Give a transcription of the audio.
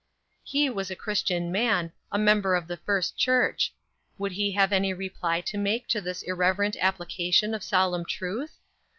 He was a Christian man, a member of the First Church would he have any reply to make to this irreverent application of solemn truth?